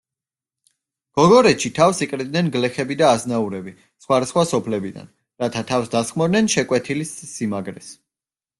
გოგორეთში თავს იყრიდნენ გლეხები და აზნაურები სხვადასხვა სოფლებიდან, რათა თავს დასხმოდნენ შეკვეთილის სიმაგრეს.